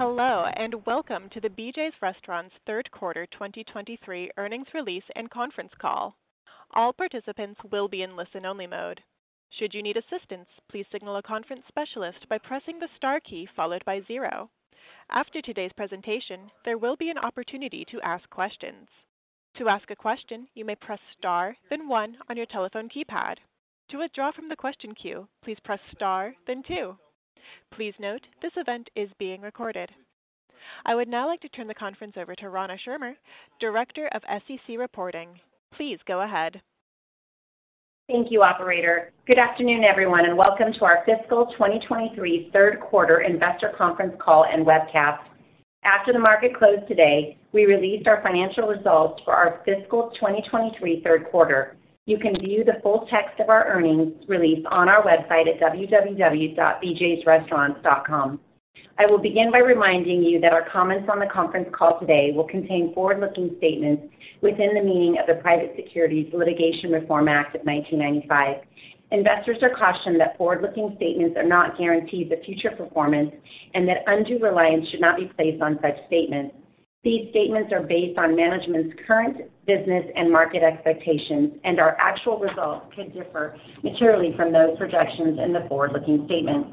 Hello, and welcome to the BJ's Restaurants third quarter 2023 earnings release and conference call. All participants will be in listen-only mode. Should you need assistance, please signal a conference specialist by pressing the star key followed by zero. After today's presentation, there will be an opportunity to ask questions. To ask a question, you may press star, then one on your telephone keypad. To withdraw from the question queue, please press star, then two. Please note, this event is being recorded. I would now like to turn the conference over to Rana Schirmer, Director of SEC Reporting. Please go ahead. Thank you, operator. Good afternoon, everyone, and welcome to our fiscal 2023 third quarter investor conference call and webcast. After the market closed today, we released our financial results for our fiscal 2023 third quarter. You can view the full text of our earnings release on our website at www.bjsrestaurants.com. I will begin by reminding you that our comments on the conference call today will contain forward-looking statements within the meaning of the Private Securities Litigation Reform Act of 1995. Investors are cautioned that forward-looking statements are not guarantees of future performance and that undue reliance should not be placed on such statements. These statements are based on management's current business and market expectations, and our actual results could differ materially from those projections in the forward-looking statements.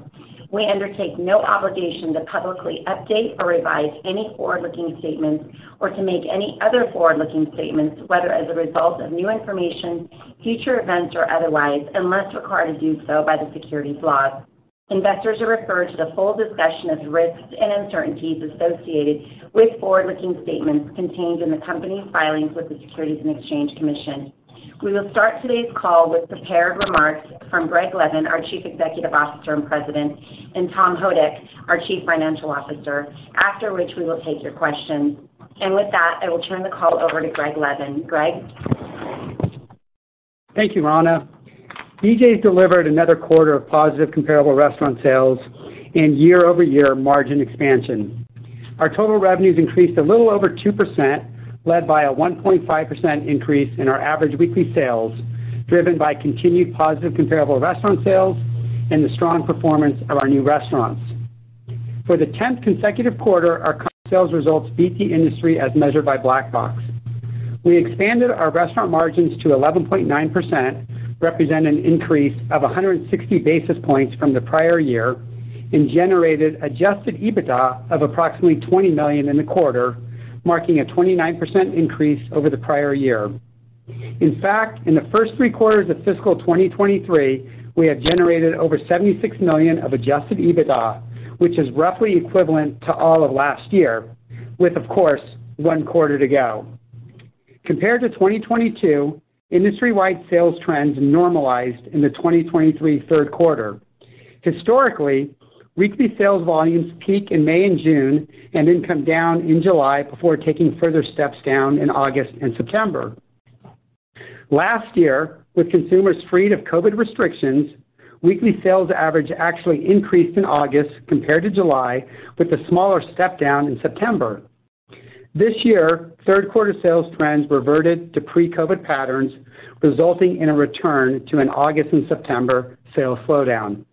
We undertake no obligation to publicly update or revise any forward-looking statements or to make any other forward-looking statements, whether as a result of new information, future events, or otherwise, unless required to do so by the securities laws. Investors are referred to the full discussion of risks and uncertainties associated with forward-looking statements contained in the company's filings with the Securities and Exchange Commission. We will start today's call with prepared remarks from Greg Levin, our Chief Executive Officer and President, and Tom Houdek, our Chief Financial Officer, after which we will take your questions. With that, I will turn the call over to Greg Levin. Greg? Thank you, Rana. BJ's delivered another quarter of positive comparable restaurant sales and year-over-year margin expansion. Our total revenues increased a little over 2%, led by a 1.5% increase in our average weekly sales, driven by continued positive comparable restaurant sales and the strong performance of our new restaurants. For the 10th consecutive quarter, our sales results beat the industry as measured by Black Box. We expanded our restaurant margins to 11.9%, representing an increase of 160 basis points from the prior year and generated adjusted EBITDA of approximately $20 million in the quarter, marking a 29% increase over the prior year. In fact, in the first three quarters of fiscal 2023, we have generated over $76 million of adjusted EBITDA, which is roughly equivalent to all of last year, with, of course, one quarter to go. Compared to 2022, industry-wide sales trends normalized in the 2023 third quarter. Historically, weekly sales volumes peak in May and June and then come down in July before taking further steps down in August and September. Last year, with consumers freed of COVID restrictions, weekly sales average actually increased in August compared to July, with a smaller step down in September. This year, third quarter sales trends reverted to pre-COVID patterns, resulting in a return to an August and September sales slowdown.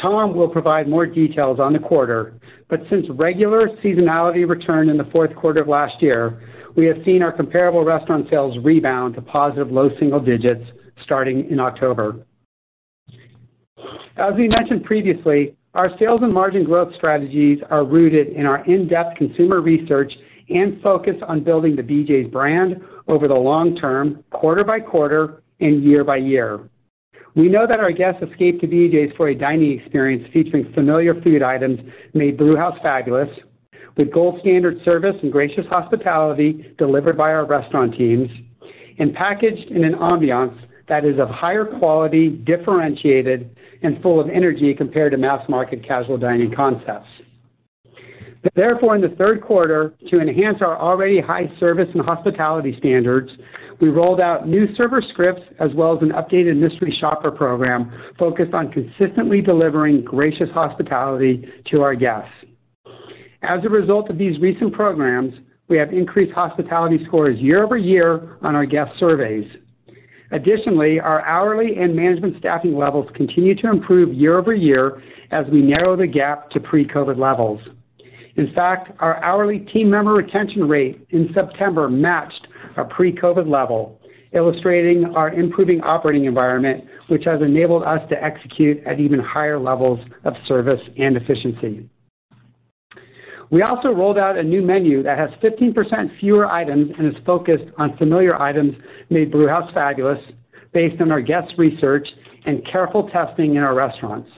Tom will provide more details on the quarter, but since regular seasonality returned in the fourth quarter of last year, we have seen our comparable restaurant sales rebound to positive low single digits starting in October. As we mentioned previously, our sales and margin growth strategies are rooted in our in-depth consumer research and focus on building the BJ's brand over the long term, quarter by quarter and year by year. We know that our guests escape to BJ's for a dining experience featuring familiar food items made Brewhouse Fabulous, with gold standard service and gracious hospitality delivered by our restaurant teams, and packaged in an ambiance that is of higher quality, differentiated, and full of energy compared to mass-market casual dining concepts. Therefore, in the third quarter, to enhance our already high service and hospitality standards, we rolled out new server scripts as well as an updated mystery shopper program focused on consistently delivering gracious hospitality to our guests. As a result of these recent programs, we have increased hospitality scores year-over-year on our guest surveys. Additionally, our hourly and management staffing levels continue to improve year-over-year as we narrow the gap to pre-COVID levels. In fact, our hourly team member retention rate in September matched our pre-COVID level, illustrating our improving operating environment, which has enabled us to execute at even higher levels of service and efficiency. We also rolled out a new menu that has 15% fewer items and is focused on familiar items made Brewhouse Fabulous based on our guest research and careful testing in our restaurants.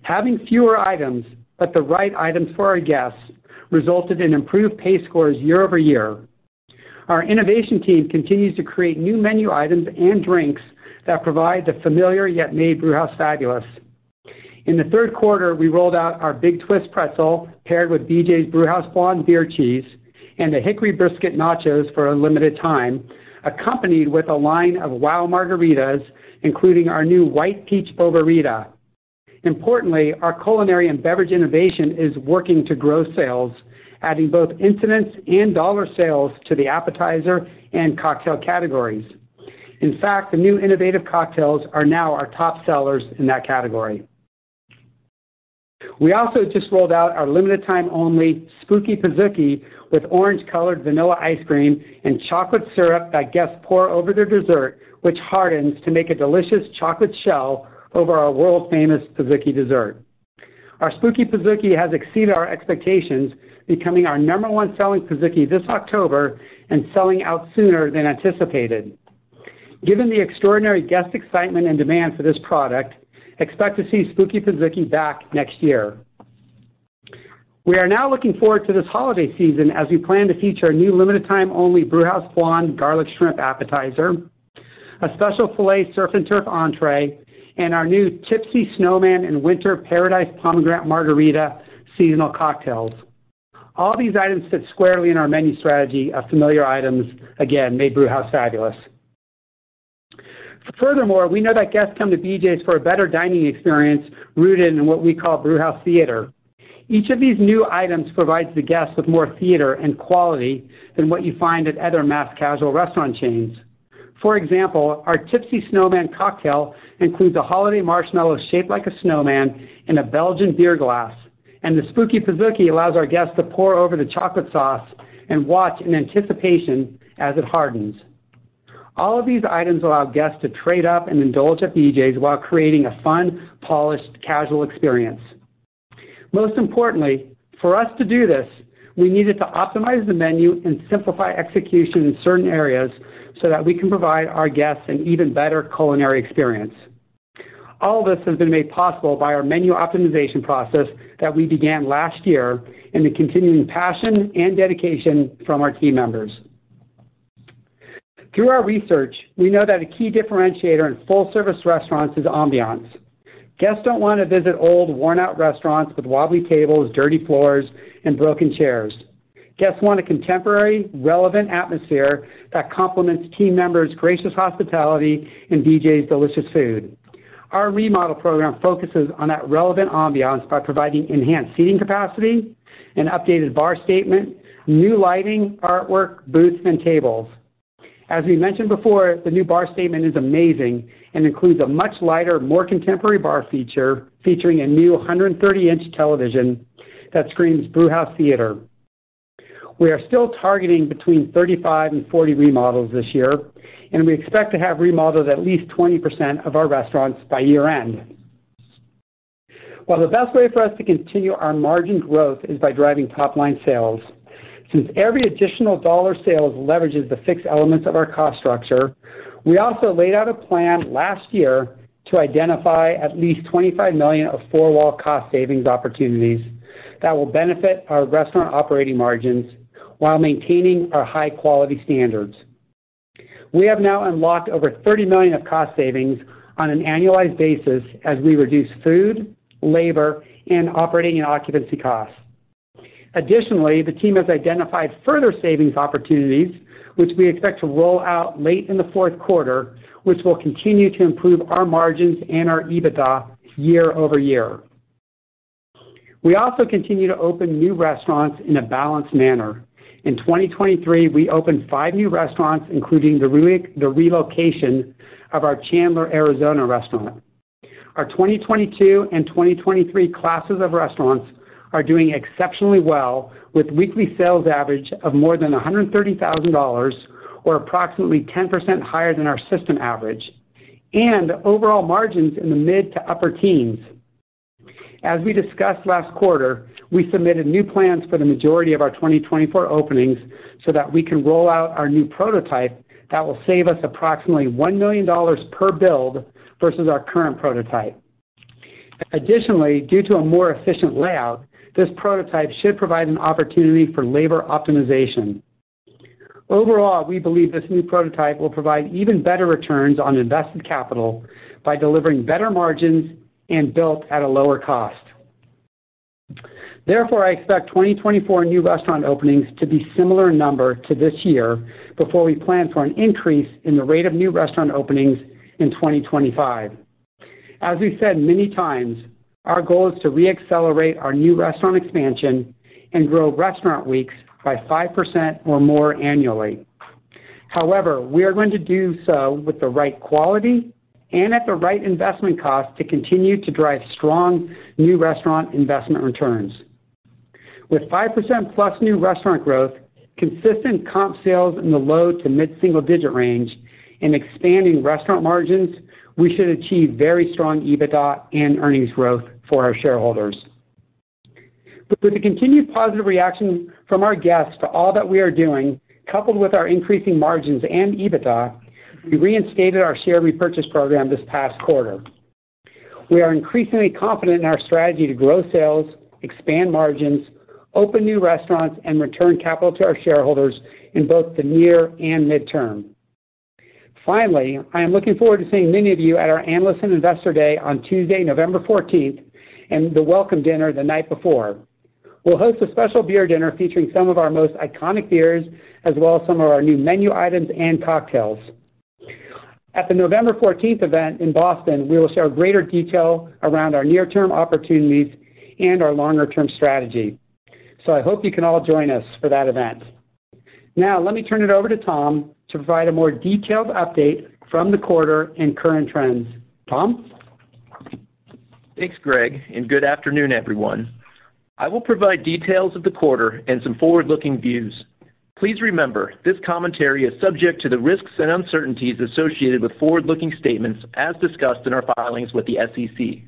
Having fewer items, but the right items for our guests, resulted in improved pace scores year-over-year. Our innovation team continues to create new menu items and drinks that provide the familiar, yet made Brewhouse Fabulous. In the third quarter, we rolled out our Big Twist Pretzel, paired with BJ's Brewhouse Blonde Beer Cheese, and the Hickory Brisket Nachos for a limited time, accompanied with a line of Wow! Margaritas, including our new White Peach Boba-Rita. Importantly, our culinary and beverage innovation is working to grow sales, adding both incidence and dollar sales to the appetizer and cocktail categories. In fact, the new innovative cocktails are now our top sellers in that category. We also just rolled out our limited time only Spooky Pizookie, with orange-colored vanilla ice cream and chocolate syrup that guests pour over their dessert, which hardens to make a delicious chocolate shell over our world-famous Pizookie dessert. Our Spooky Pizookie has exceeded our expectations, becoming our number one selling Pizookie this October and selling out sooner than anticipated. Given the extraordinary guest excitement and demand for this product, expect to see Spooky Pizookie back next year. We are now looking forward to this holiday season as we plan to feature our new limited time only Brewhouse Blonde Garlic Shrimp appetizer, a special Filet Surf and Turf entree, and our new Tipsy Snowman and Winter Paradise Pomegranate Margarita seasonal cocktails. All these items fit squarely in our menu strategy of familiar items, again, made Brewhouse Fabulous. Furthermore, we know that guests come to BJ's for a better dining experience, rooted in what we call Brewhouse Theater. Each of these new items provides the guests with more theater and quality than what you find at other mass casual restaurant chains. For example, our Tipsy Snowman cocktail includes a holiday marshmallow shaped like a snowman in a Belgian beer glass, and the Spooky Pizookie allows our guests to pour over the chocolate sauce and watch in anticipation as it hardens. All of these items allow guests to trade up and indulge at BJ's while creating a fun, polished, casual experience. Most importantly, for us to do this, we needed to optimize the menu and simplify execution in certain areas so that we can provide our guests an even better culinary experience. All this has been made possible by our menu optimization process that we began last year, and the continuing passion and dedication from our team members. Through our research, we know that a key differentiator in full-service restaurants is ambiance. Guests don't want to visit old, worn-out restaurants with wobbly tables, dirty floors, and broken chairs. Guests want a contemporary, relevant atmosphere that complements team members' gracious hospitality and BJ's delicious food. Our remodel program focuses on that relevant ambiance by providing enhanced seating capacity, an updated bar statement, new lighting, artwork, booths, and tables. As we mentioned before, the new bar statement is amazing and includes a much lighter, more contemporary bar feature, featuring a new 130-inch television that screams Brewhouse Theater. We are still targeting between 35 and 40 remodels this year, and we expect to have remodeled at least 20% of our restaurants by year-end. While the best way for us to continue our margin growth is by driving top-line sales, since every additional dollar sales leverages the fixed elements of our cost structure, we also laid out a plan last year to identify at least $25 million of four wall cost savings opportunities that will benefit our restaurant operating margins while maintaining our high-quality standards. We have now unlocked over $30 million of cost savings on an annualized basis as we reduce food, labor, and operating and occupancy costs. Additionally, the team has identified further savings opportunities, which we expect to roll out late in the fourth quarter, which will continue to improve our margins and our EBITDA year-over-year. We also continue to open new restaurants in a balanced manner. In 2023, we opened 5 new restaurants, including the relocation of our Chandler, Arizona, restaurant. Our 2022 and 2023 classes of restaurants are doing exceptionally well, with weekly sales average of more than $130,000 or approximately 10% higher than our system average, and overall margins in the mid- to upper-teens. As we discussed last quarter, we submitted new plans for the majority of our 2024 openings so that we can roll out our new prototype that will save us approximately $1 million per build versus our current prototype. Additionally, due to a more efficient layout, this prototype should provide an opportunity for labor optimization. Overall, we believe this new prototype will provide even better returns on invested capital by delivering better margins and built at a lower cost. Therefore, I expect 2024 new restaurant openings to be similar in number to this year, before we plan for an increase in the rate of new restaurant openings in 2025. As we've said many times, our goal is to reaccelerate our new restaurant expansion and grow restaurant weeks by 5% or more annually. However, we are going to do so with the right quality and at the right investment cost to continue to drive strong new restaurant investment returns. With 5%+ new restaurant growth, consistent comp sales in the low- to mid-single-digit range, and expanding restaurant margins, we should achieve very strong EBITDA and earnings growth for our shareholders. With the continued positive reaction from our guests to all that we are doing, coupled with our increasing margins and EBITDA, we reinstated our share repurchase program this past quarter. We are increasingly confident in our strategy to grow sales, expand margins, open new restaurants, and return capital to our shareholders in both the near and midterm. Finally, I am looking forward to seeing many of you at our Analyst and Investor Day on Tuesday, November 14, and the welcome dinner the night before. We'll host a special beer dinner featuring some of our most iconic beers, as well as some of our new menu items and cocktails. At the November 14 event in Boston, we will share greater detail around our near-term opportunities and our longer-term strategy. I hope you can all join us for that event. Now, let me turn it over to Tom to provide a more detailed update from the quarter and current trends. Tom? Thanks, Greg, and good afternoon, everyone. I will provide details of the quarter and some forward-looking views. Please remember, this commentary is subject to the risks and uncertainties associated with forward-looking statements as discussed in our filings with the SEC.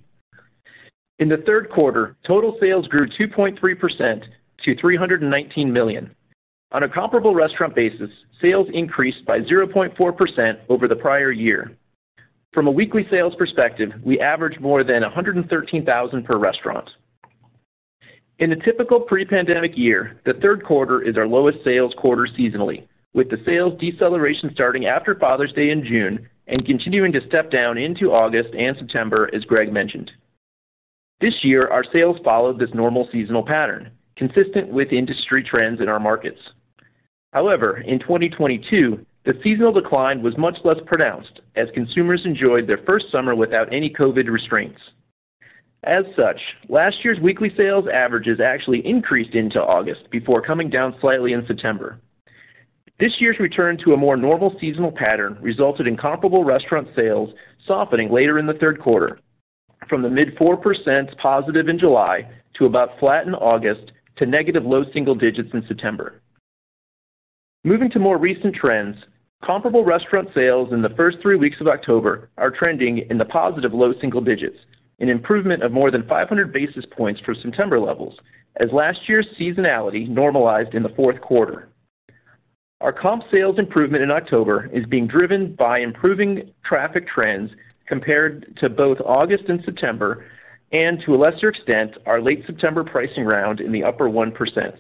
In the third quarter, total sales grew 2.3% to $319 million. On a comparable restaurant basis, sales increased by 0.4% over the prior year. From a weekly sales perspective, we averaged more than $113,000 per restaurant. In a typical pre-pandemic year, the third quarter is our lowest sales quarter seasonally, with the sales deceleration starting after Father's Day in June and continuing to step down into August and September, as Greg mentioned. This year, our sales followed this normal seasonal pattern, consistent with industry trends in our markets. However, in 2022, the seasonal decline was much less pronounced as consumers enjoyed their first summer without any COVID restraints. As such, last year's weekly sales averages actually increased into August before coming down slightly in September. This year's return to a more normal seasonal pattern resulted in comparable restaurant sales softening later in the third quarter, from the mid-4% positive in July to about flat in August to negative low single digits in September. Moving to more recent trends, comparable restaurant sales in the first three weeks of October are trending in the positive low single digits, an improvement of more than 500 basis points for September levels, as last year's seasonality normalized in the fourth quarter. Our comp sales improvement in October is being driven by improving traffic trends compared to both August and September, and to a lesser extent, our late September pricing round in the upper 1%.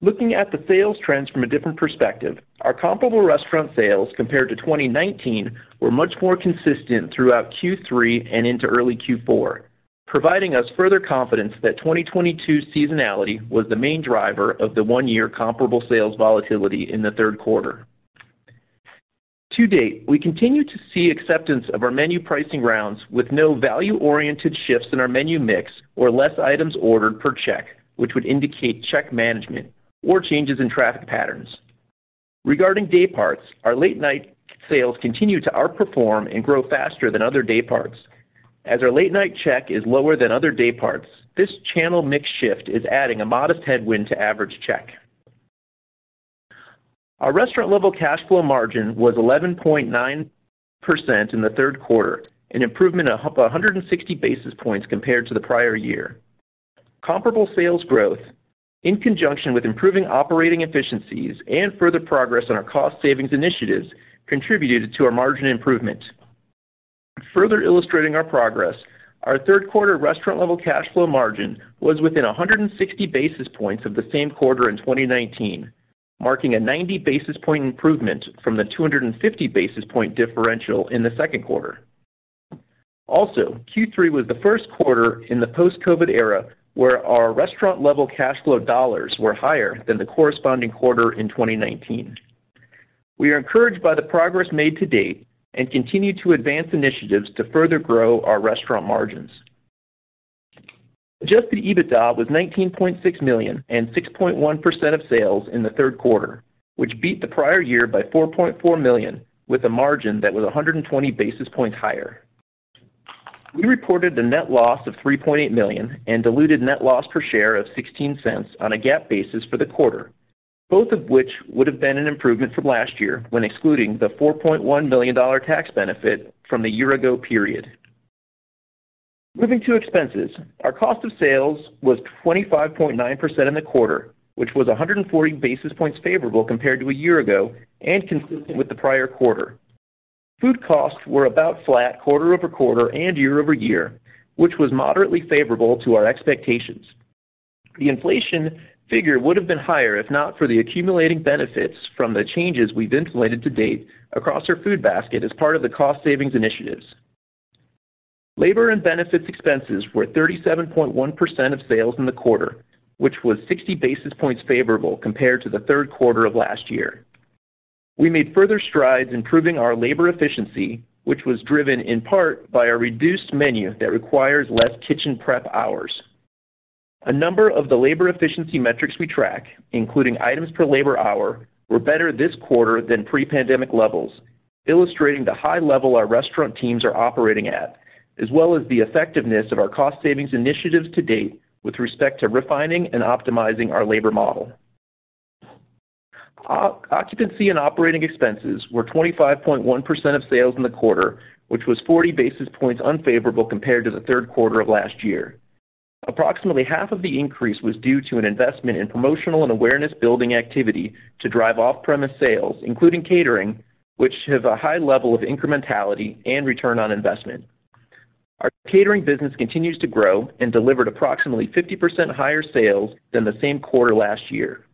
Looking at the sales trends from a different perspective, our comparable restaurant sales compared to 2019 were much more consistent throughout Q3 and into early Q4, providing us further confidence that 2022 seasonality was the main driver of the one-year comparable sales volatility in the third quarter. To date, we continue to see acceptance of our menu pricing rounds with no value-oriented shifts in our menu mix or less items ordered per check, which would indicate check management or changes in traffic patterns. Regarding day parts, our late-night sales continue to outperform and grow faster than other day parts. As our late-night check is lower than other day parts, this channel mix shift is adding a modest headwind to average check. Our restaurant-level cash flow margin was 11.9% in the third quarter, an improvement of 160 basis points compared to the prior year. Comparable sales growth, in conjunction with improving operating efficiencies and further progress on our cost savings initiatives, contributed to our margin improvement. Further illustrating our progress, our third quarter restaurant-level cash flow margin was within 160 basis points of the same quarter in 2019, marking a 90 basis point improvement from the 250 basis point differential in the second quarter. Also, Q3 was the first quarter in the post-COVID era where our restaurant-level cash flow dollars were higher than the corresponding quarter in 2019. We are encouraged by the progress made to date and continue to advance initiatives to further grow our restaurant margins. Adjusted EBITDA was $19.6 million and 6.1% of sales in the third quarter, which beat the prior year by $4.4 million, with a margin that was 120 basis points higher. We reported a net loss of $3.8 million and diluted net loss per share of $0.16 on a GAAP basis for the quarter, both of which would have been an improvement from last year when excluding the $4.1 million tax benefit from the year-ago period. Moving to expenses, our cost of sales was 25.9% in the quarter, which was 140 basis points favorable compared to a year ago and consistent with the prior quarter. Food costs were about flat quarter-over-quarter and year-over-year, which was moderately favorable to our expectations. The inflation figure would have been higher if not for the accumulating benefits from the changes we've implemented to date across our food basket as part of the cost savings initiatives. Labor and benefits expenses were 3.7% of sales in the quarter, which was 60 basis points favorable compared to the third quarter of last year. We made further strides improving our labor efficiency, which was driven in part by a reduced menu that requires less kitchen prep hours. A number of the labor efficiency metrics we track, including items per labor hour, were better this quarter than pre-pandemic levels, illustrating the high level our restaurant teams are operating at, as well as the effectiveness of our cost savings initiatives to date with respect to refining and optimizing our labor model. Occupancy and operating expenses were 25.1% of sales in the quarter, which was 40 basis points unfavorable compared to the third quarter of last year. Approximately half of the increase was due to an investment in promotional and awareness-building activity to drive off-premise sales, including catering, which have a high level of incrementality and return on investment. Our catering business continues to grow and delivered approximately 50% higher sales than the same quarter last year.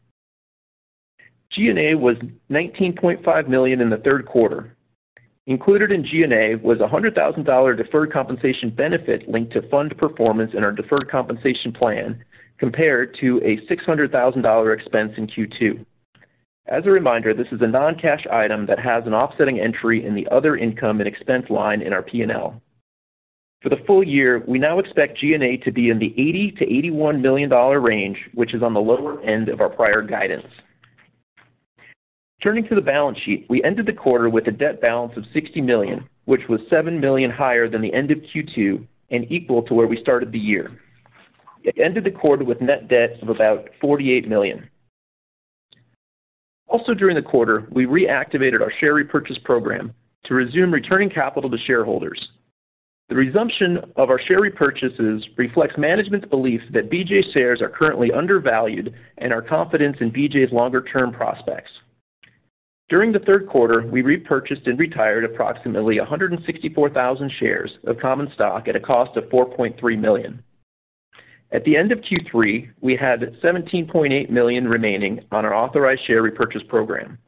G&A was $19.5 million in the third quarter. Included in G&A was a $100,000 deferred compensation benefit linked to fund performance in our deferred compensation plan, compared to a $600,000 expense in Q2. As a reminder, this is a non-cash item that has an offsetting entry in the other income and expense line in our P&L. For the full year, we now expect G&A to be in the $80 million-$81 million range, which is on the lower end of our prior guidance. Turning to the balance sheet, we ended the quarter with a debt balance of $60 million, which was $7 million higher than the end of Q2 and equal to where we started the year. We ended the quarter with net debt of about $48 million. Also, during the quarter, we reactivated our share repurchase program to resume returning capital to shareholders. The resumption of our share repurchases reflects management's belief that BJ's shares are currently undervalued and our confidence in BJ's longer-term prospects. During the third quarter, we repurchased and retired approximately 164,000 shares of common stock at a cost of $4.3 million. At the end of Q3, we had 17.8 million remaining on our authorized share repurchase program.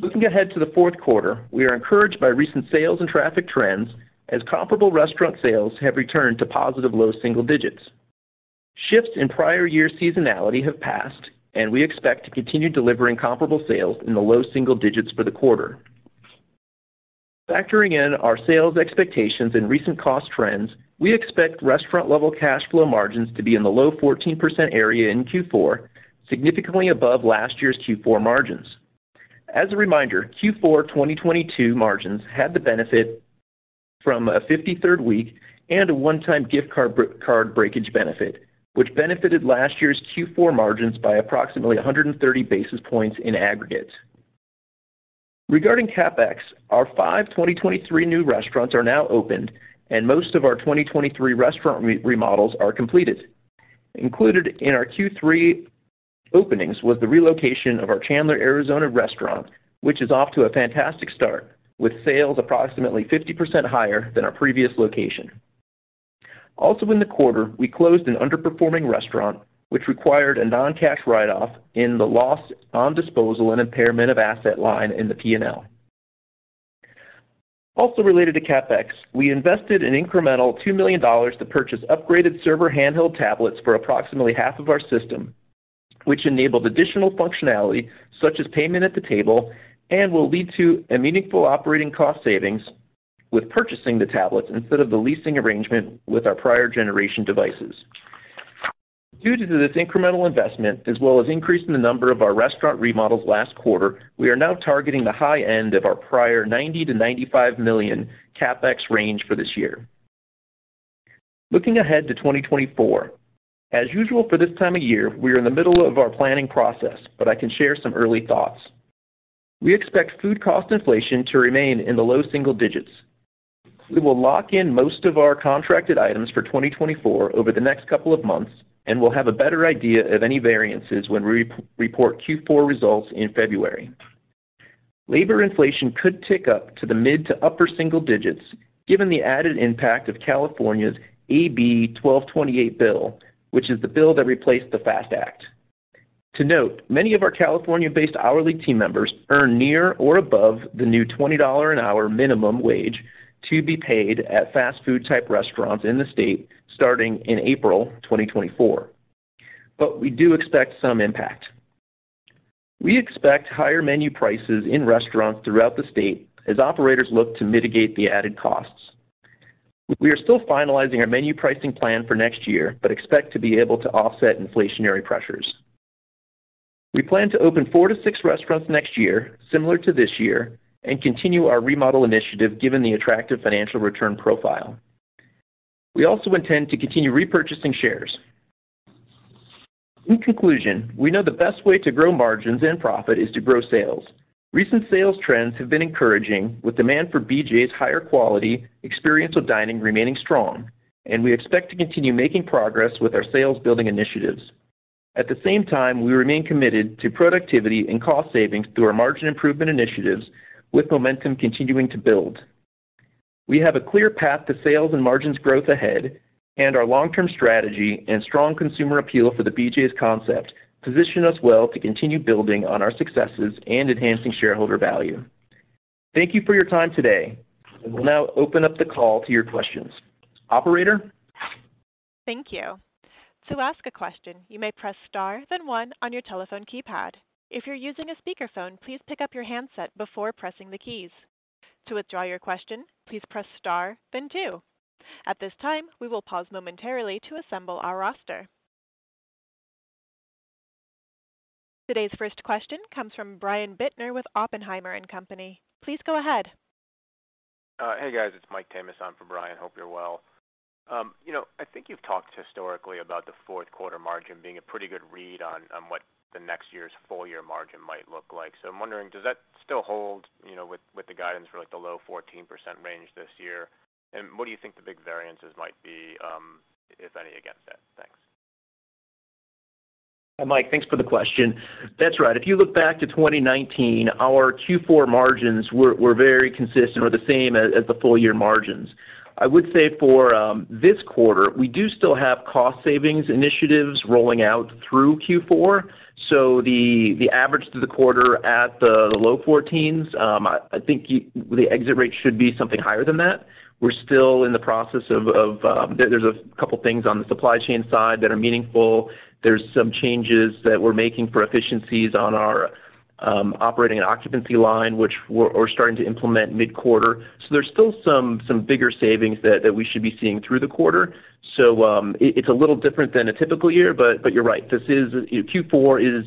Looking ahead to the fourth quarter, we are encouraged by recent sales and traffic trends as comparable restaurant sales have returned to positive low single digits. Shifts in prior year seasonality have passed, and we expect to continue delivering comparable sales in the low single digits for the quarter. Factoring in our sales expectations and recent cost trends, we expect restaurant-level cash flow margins to be in the low 14% area in Q4, significantly above last year's Q4 margins. As a reminder, Q4 2022 margins had the benefit from a 53rd week and a one-time gift card breakage benefit, which benefited last year's Q4 margins by approximately 130 basis points in aggregate. Regarding CapEx, our 5 2023 new restaurants are now opened, and most of our 2023 restaurant remodels are completed. Included in our Q3 openings was the relocation of our Chandler, Arizona, restaurant, which is off to a fantastic start, with sales approximately 50% higher than our previous location. Also in the quarter, we closed an underperforming restaurant, which required a non-cash write-off in the loss on disposal and impairment of asset line in the P&L. Also related to CapEx, we invested an incremental $2 million to purchase upgraded server handheld tablets for approximately half of our system, which enabled additional functionality such as payment at the table and will lead to a meaningful operating cost savings with purchasing the tablets instead of the leasing arrangement with our prior generation devices. Due to this incremental investment, as well as increasing the number of our restaurant remodels last quarter, we are now targeting the high end of our prior $90-$95 million CapEx range for this year. Looking ahead to 2024, as usual, for this time of year, we are in the middle of our planning process, but I can share some early thoughts. We expect food cost inflation to remain in the low single digits. We will lock in most of our contracted items for 2024 over the next couple of months, and we'll have a better idea of any variances when we report Q4 results in February. Labor inflation could tick up to the mid to upper single digits, given the added impact of California's AB 1228 bill, which is the bill that replaced the FAST Act. To note, many of our California-based hourly team members earn near or above the new $20 an hour minimum wage to be paid at fast food type restaurants in the state starting in April 2024. We do expect some impact. We expect higher menu prices in restaurants throughout the state as operators look to mitigate the added costs. We are still finalizing our menu pricing plan for next year, but expect to be able to offset inflationary pressures. We plan to open 4-6 restaurants next year, similar to this year, and continue our remodel initiative, given the attractive financial return profile. We also intend to continue repurchasing shares. In conclusion, we know the best way to grow margins and profit is to grow sales. Recent sales trends have been encouraging, with demand for BJ's higher quality, experiential dining remaining strong, and we expect to continue making progress with our sales-building initiatives. At the same time, we remain committed to productivity and cost savings through our margin improvement initiatives, with momentum continuing to build. We have a clear path to sales and margins growth ahead, and our long-term strategy and strong consumer appeal for the BJ's concept position us well to continue building on our successes and enhancing shareholder value. Thank you for your time today. We'll now open up the call to your questions. Operator? Thank you. To ask a question, you may press star, then one on your telephone keypad. If you're using a speakerphone, please pick up your handset before pressing the keys. To withdraw your question, please press star, then two. At this time, we will pause momentarily to assemble our roster. Today's first question comes from Brian Bittner with Oppenheimer & Company. Please go ahead. Hey, guys, it's Michael Tamas in for Brian. Hope you're well. You know, I think you've talked historically about the fourth quarter margin being a pretty good read on what the next year's full year margin might look like. I'm wondering, does that still hold, you know, with the guidance for, like, the low 14% range this year? What do you think the big variances might be, if any, against that? Thanks. Mike, thanks for the question. That's right. If you look back to 2019, our Q4 margins were very consistent or the same as the full year margins. I would say for this quarter, we do still have cost savings initiatives rolling out through Q4, so the average to the quarter at the low 14s. I think you—the exit rate should be something higher than that. We're still in the process of, there's a couple things on the supply chain side that are meaningful. There's some changes that we're making for efficiencies on our operating an occupancy line, which we're starting to implement mid-quarter. So there's still some bigger savings that we should be seeing through the quarter. So, it's a little different than a typical year, but you're right, this is Q4 is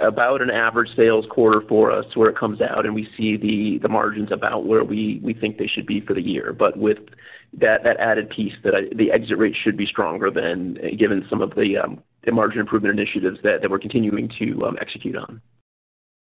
about an average sales quarter for us, where it comes out, and we see the margins about where we think they should be for the year. But with that added piece, the exit rate should be stronger than given some of the margin improvement initiatives that we're continuing to execute on.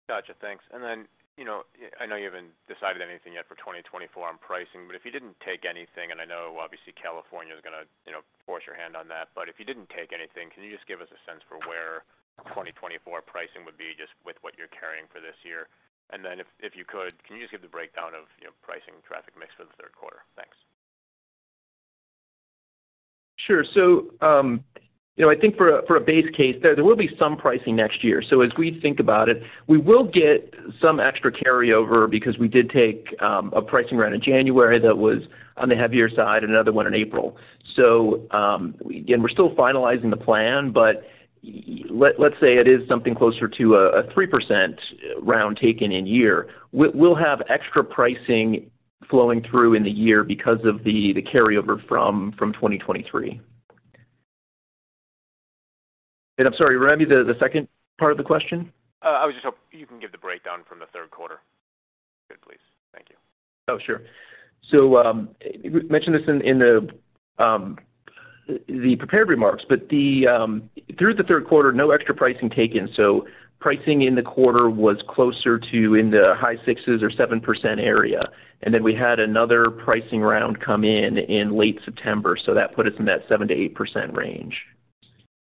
Gotcha, thanks. And then, you know, I know you haven't decided anything yet for 2024 on pricing, but if you didn't take anything, and I know, obviously, California is gonna, you know, force your hand on that, but if you didn't take anything, can you just give us a sense for where 2024 pricing would be, just with what you're carrying for this year? And then if, if you could, can you just give the breakdown of, you know, pricing traffic mix for the third quarter? Thanks. Sure. So, you know, I think for a base case, there will be some pricing next year. So as we think about it, we will get some extra carryover because we did take a pricing round in January that was on the heavier side and another one in April. So, again, we're still finalizing the plan, but let's say it is something closer to a 3% round taken in year. We'll have extra pricing flowing through in the year because of the carryover from 2023. And I'm sorry, remind me the second part of the question? I was just hoping you can give the breakdown from the third quarter, please. Thank you. Oh, sure. So, we mentioned this in the prepared remarks, but through the third quarter, no extra pricing taken. So pricing in the quarter was closer to in the high 6s or 7% area. And then we had another pricing round come in in late September, so that put us in that 7%-8% range.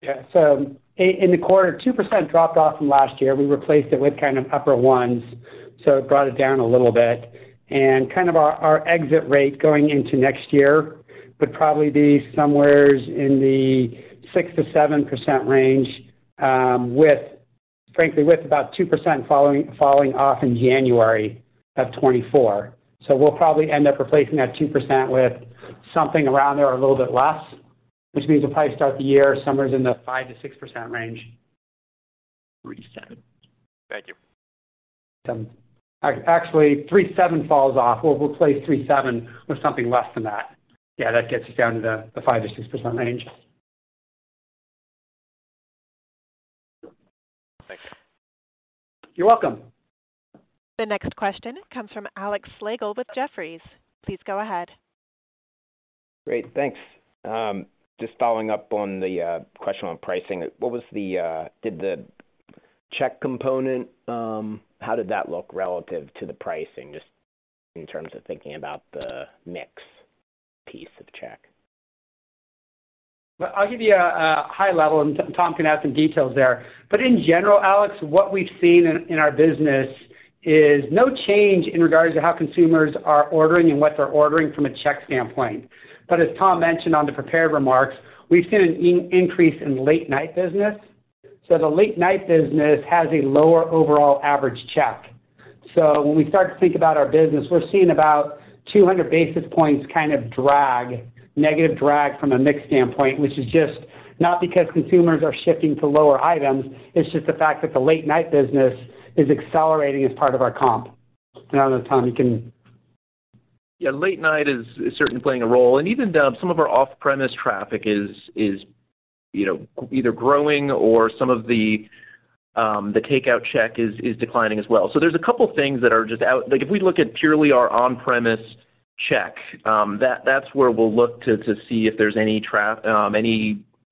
Yeah. So in the quarter, 2% dropped off from last year. We replaced it with kind of upper ones, so it brought it down a little bit. And kind of our, our exit rate going into next year would probably be somewhere in the 6%-7% range, with, frankly, with about 2% falling off in January of 2024. So we'll probably end up replacing that 2% with something around there or a little bit less, which means we'll probably start the year somewhere in the 5%-6% range. 3.7%. Thank you. Actually, 37 falls off. We'll replace 37 with something less than that. Yeah, that gets us down to the 5%-6% range. Thanks. You're welcome. The next question comes from Alex Slagle with Jefferies. Please go ahead. Great, thanks. Just following up on the question on pricing. How did the check component look relative to the pricing, just in terms of thinking about the mix piece of check? Well, I'll give you a high level, and Tom can add some details there. But in general, Alex, what we've seen in our business is no change in regards to how consumers are ordering and what they're ordering from a check standpoint. But as Tom mentioned on the prepared remarks, we've seen an increase in late-night business. So the late-night business has a lower overall average check. So when we start to think about our business, we're seeing about 200 basis points kind of drag, negative drag from a mix standpoint, which is just not because consumers are shifting to lower items. It's just the fact that the late-night business is accelerating as part of our comp. Now, Tom, you can... Yeah, late night is certainly playing a role, and even some of our off-premise traffic is, you know, either growing or some of the takeout check is declining as well. So there's a couple things that are just out. Like, if we look at purely our on-premise check, that's where we'll look to see if there's any traffic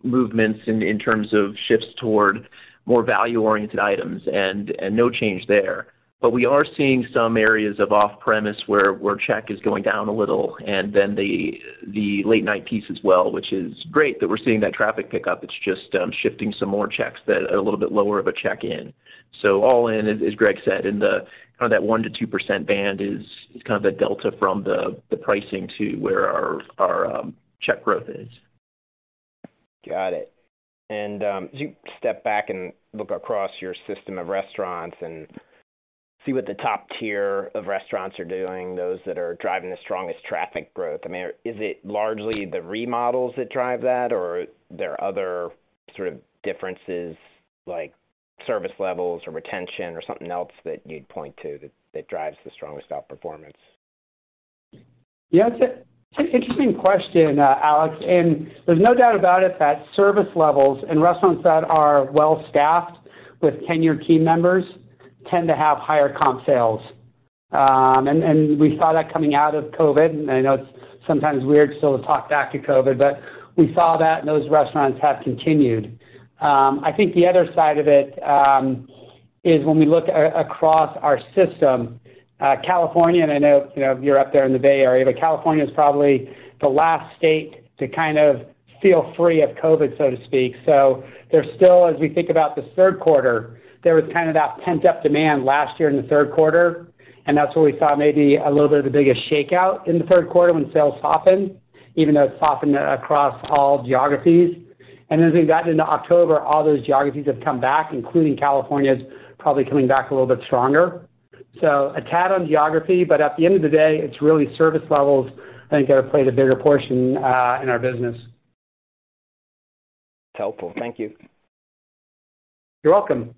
movements in terms of shifts toward more value-oriented items, and no change there. But we are seeing some areas of off-premise where check is going down a little, and then the late-night piece as well, which is great that we're seeing that traffic pick up. It's just shifting some more checks that are a little bit lower of a check-in. All in, as Greg said, in the kind of that 1%-2% band is kind of the delta from the pricing to where our check growth is. Got it. And as you step back and look across your system of restaurants and see what the top tier of restaurants are doing, those that are driving the strongest traffic growth, I mean, is it largely the remodels that drive that, or there are other sort of differences, like service levels or retention or something else that you'd point to that drives the strongest outperformance? Yeah, it's an interesting question, Alex, and there's no doubt about it, that service levels and restaurants that are well staffed with tenured team members tend to have higher comp sales. And we saw that coming out of COVID, and I know it's sometimes weird still to talk back to COVID, but we saw that, and those restaurants have continued. I think the other side of it is when we look across our system, California, and I know, you know, you're up there in the Bay Area, but California is probably the last state to kind of feel free of COVID, so to speak. So there's still, as we think about the third quarter, there was kind of that pent-up demand last year in the third quarter, and that's where we saw maybe a little bit of the biggest shakeout in the third quarter when sales softened, even though it softened across all geographies. And then as we've gotten into October, all those geographies have come back, including California, is probably coming back a little bit stronger. So a tad on geography, but at the end of the day, it's really service levels, I think, that have played a bigger portion in our business.... That's helpful. Thank you. You're welcome.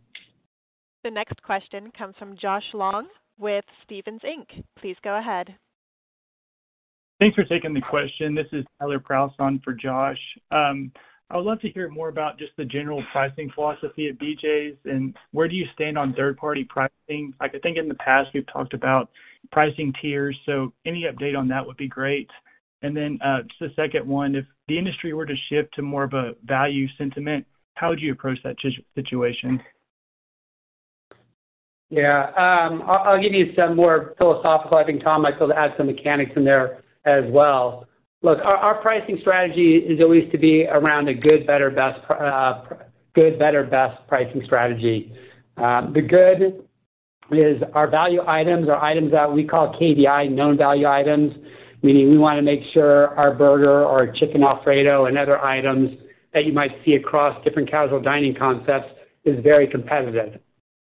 The next question comes from Josh Long with Stephens Inc. Please go ahead. Thanks for taking the question. This is Tyler Brough on for Josh Long. I would love to hear more about just the general pricing philosophy at BJ's, and where do you stand on third-party pricing? Like, I think in the past, we've talked about pricing tiers, so any update on that would be great. And then, just a second one: if the industry were to shift to more of a value sentiment, how would you approach that situation? Yeah, I'll give you some more philosophical. I think Tom might be able to add some mechanics in there as well. Look, our pricing strategy is always to be around a good, better, best pricing strategy. The good is our value items are items that we call KVI, known value items, meaning we want to make sure our burger, our chicken Alfredo, and other items that you might see across different casual dining concepts is very competitive.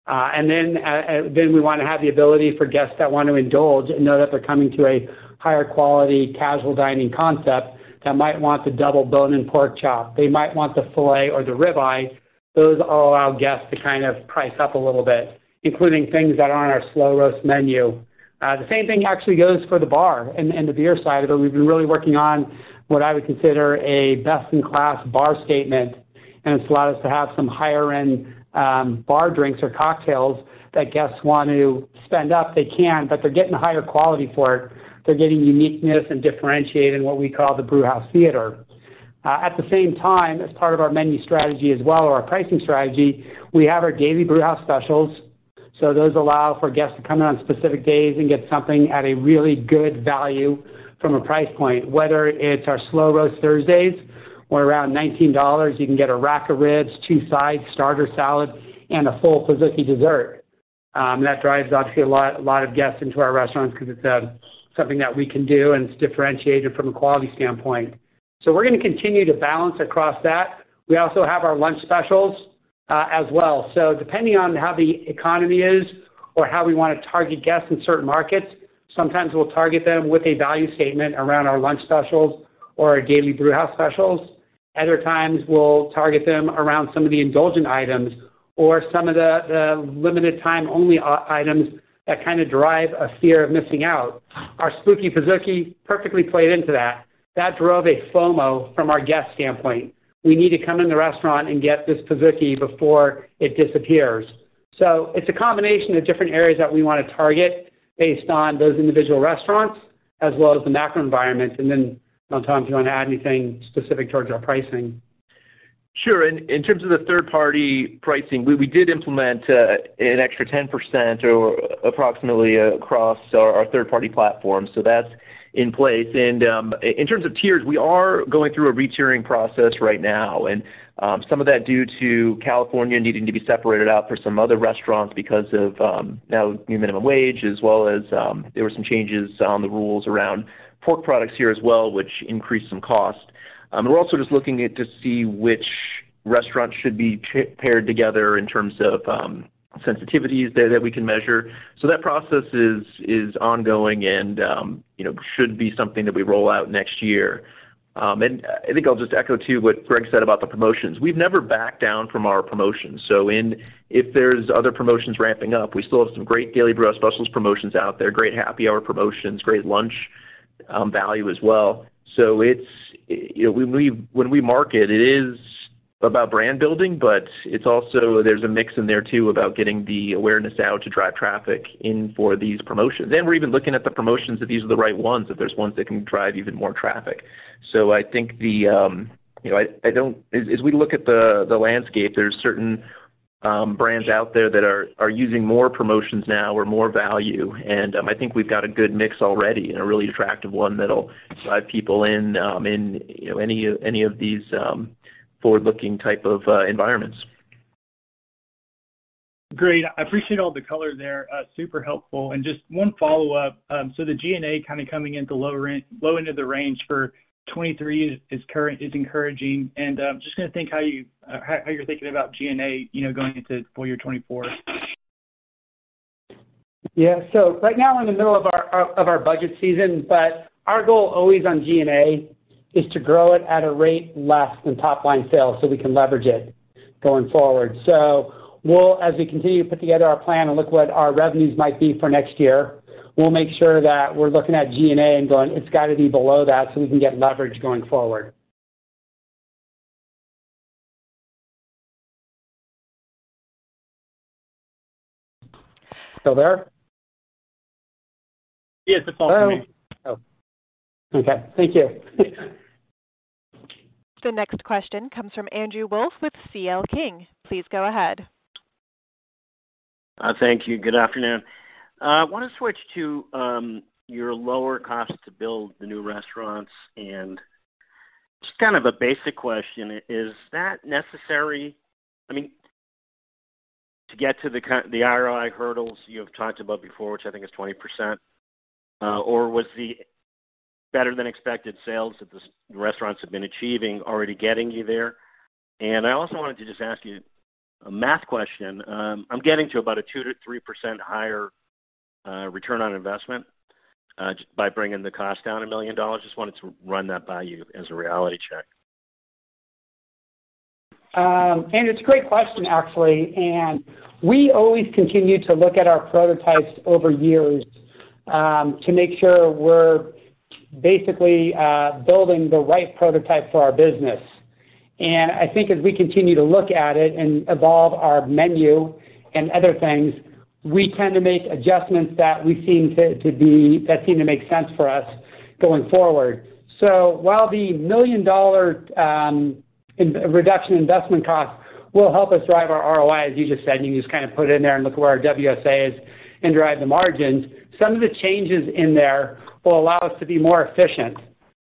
Then we want to have the ability for guests that want to indulge and know that they're coming to a higher quality casual dining concept that might want the double bone-in pork chop. They might want the filet or the rib eye. Those all allow guests to kind of price up a little bit, including things that are on our Slow Roast menu. The same thing actually goes for the bar and, and the beer side of it. We've been really working on what I would consider a best-in-class bar statement, and it's allowed us to have some higher-end, bar drinks or cocktails that guests want to spend up, they can, but they're getting a higher quality for it. They're getting uniqueness and differentiating what we call the Brewhouse Theater. At the same time, as part of our menu strategy as well, or our pricing strategy, we have our Daily Brewhouse Specials. So those allow for guests to come in on specific days and get something at a really good value from a price point, whether it's our Slow Roast Thursdays, or around $19, you can get a rack of ribs, two sides, starter salad, and a full Pizookie dessert. That drives, obviously, a lot, a lot of guests into our restaurants because it's something that we can do, and it's differentiated from a quality standpoint. So we're going to continue to balance across that. We also have our lunch specials, as well. So depending on how the economy is or how we want to target guests in certain markets, sometimes we'll target them with a value statement around our lunch specials or our Daily Brewhouse Specials. Other times, we'll target them around some of the indulgent items or some of the limited time only items that kind of drive a fear of missing out. Our Spooky Pizookie perfectly played into that. That drove a FOMO from our guest standpoint. We need to come in the restaurant and get this Pizookie before it disappears. So it's a combination of different areas that we want to target based on those individual restaurants, as well as the macro environment. And then, I don't know, Tom, if you want to add anything specific towards our pricing. Sure. In terms of the third-party pricing, we did implement an extra 10% or approximately across our third-party platform, so that's in place. And in terms of tiers, we are going through a re-tiering process right now, and some of that due to California needing to be separated out for some other restaurants because of the new minimum wage, as well as there were some changes on the rules around pork products here as well, which increased some cost. We're also just looking at to see which restaurants should be paired together in terms of sensitivities that we can measure. So that process is ongoing and you know, should be something that we roll out next year. And I think I'll just echo, too, what Greg said about the promotions. We've never backed down from our promotions, so if there's other promotions ramping up, we still have some great Daily Brewhouse Specials promotions out there, great happy hour promotions, great lunch value as well. It's... You know, we, we, when we market, it is about brand building, but it's also there's a mix in there, too, about getting the awareness out to drive traffic in for these promotions. We're even looking at the promotions, if these are the right ones, if there's ones that can drive even more traffic. I think the, you know, I, I don't-- as, as we look at the, the landscape, there's certain, you know, brands out there that are, are using more promotions now or more value, and, I think we've got a good mix already and a really attractive one that'll drive people in, you know, any, any of these, forward-looking type of, type of environments. Great. I appreciate all the color there. Super helpful. And just one follow-up. So the G&A kind of coming into lower end, low end of the range for 2023 is, is current, is encouraging, and just going to think how you, how you're thinking about G&A, you know, going into full year 2024. Yeah. So right now we're in the middle of our budget season, but our goal always on G&A is to grow it at a rate less than top-line sales, so we can leverage it going forward. So we'll, as we continue to put together our plan and look what our revenues might be for next year, we'll make sure that we're looking at G&A and going, "It's got to be below that," so we can get leverage going forward. Still there? Yes, it's all good. Oh, okay. Thank you. The next question comes from Andrew Wolf with CL King. Please go ahead. Thank you. Good afternoon. I want to switch to your lower cost to build the new restaurants, and just kind of a basic question: is that necessary, I mean, to get to the ROI hurdles you have talked about before, which I think is 20%, or was the better than expected sales that the restaurants have been achieving already getting you there? I also wanted to just ask you a math question. I'm getting to about a 2%-3% higher return on investment just by bringing the cost down $1 million? Just wanted to run that by you as a reality check. It's a great question, actually, and we always continue to look at our prototypes over years to make sure we're basically building the right prototype for our business. I think as we continue to look at it and evolve our menu and other things, we tend to make adjustments that seem to make sense for us going forward. While the $1 million in reduction investment cost will help us drive our ROI, as you just said, you just kind of put it in there and look where our WSA is and drive the margins. Some of the changes in there will allow us to be more efficient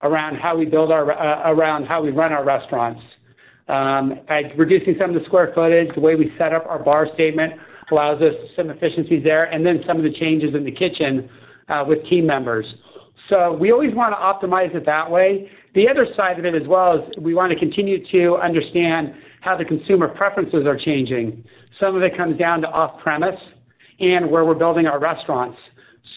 around how we build our, around how we run our restaurants. By reducing some of the square footage, the way we set up our bar station allows us some efficiencies there, and then some of the changes in the kitchen with team members. So we always want to optimize it that way. The other side of it, as well, is we want to continue to understand how the consumer preferences are changing. Some of it comes down to off-premise and where we're building our restaurants.